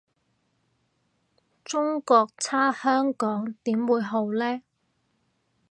中國差香港點會好呢？